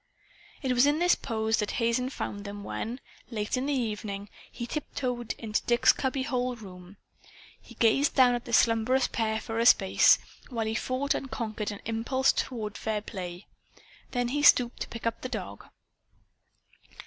It was in this pose that Hazen found them when, late in the evening, he tiptoed into Dick's cubby hole room. He gazed down at the slumberous pair for a space, while he fought and conquered an impulse toward fair play. Then he stooped to pick up the dog.